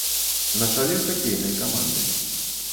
На чале хакейнай каманды.